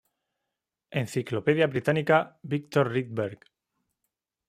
Enciclopedia Británica Viktor Rydberg